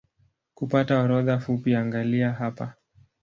Kupata orodha fupi angalia hapa